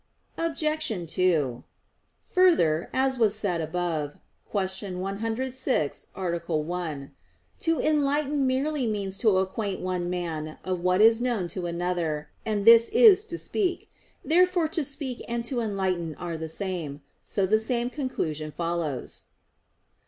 Obj. 2: Further, as was said above (Q. 106, A. 1), to enlighten means merely to acquaint one man of what is known to another; and this is to speak. Therefore to speak and to enlighten are the same; so the same conclusion follows.